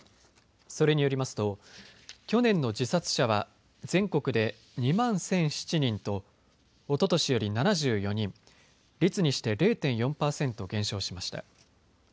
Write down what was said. それによりますと去年の自殺者は全国で２万１００７人とおととしより７４人、率にして０．４％減少しました。